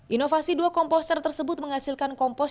inovasi dua komposter tersebut menghasilkan kompos